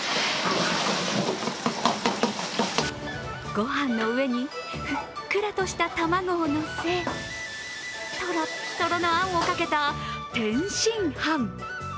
ご飯の上にふっくらとした玉子をのせ、とろとろのあんをかけた天津飯。